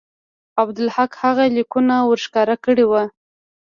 عبدالحق هغه لیکونه ورښکاره کړي وو.